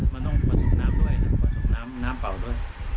มันต้องผสมน้ำด้วยผสมน้ำเบาด้วย